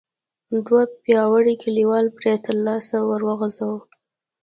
دوو پياوړو کليوالو پړي ته لاس ور وغځاوه.